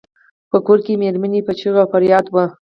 په کور کې یې میرمن په چیغو او فریاد وه.